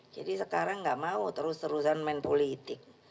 jadi sekarang nggak mau terus terusan main politik